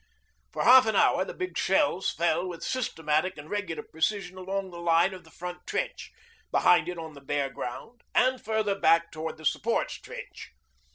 For half an hour the big shells fell with systematic and regular precision along the line of the front trench, behind it on the bare ground, and further back towards the supports' trench.